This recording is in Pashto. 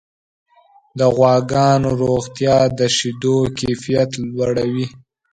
د غواګانو روغتیا د شیدو کیفیت لوړوي.